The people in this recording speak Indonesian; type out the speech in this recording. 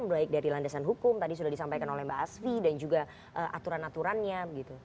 baik dari landasan hukum tadi sudah disampaikan oleh mbak asfi dan juga aturan aturannya